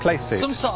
そう。